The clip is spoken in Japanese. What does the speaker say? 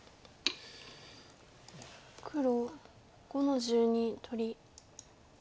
黒５の十二取り。